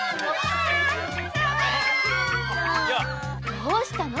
どうしたのよ？